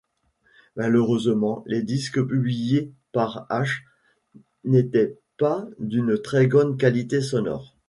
Malheureusement, les disques publiés par Asch n'étaient pas d'une très grande qualité sonore.